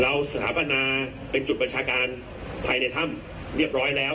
สถาปนาเป็นจุดประชาการภายในถ้ำเรียบร้อยแล้ว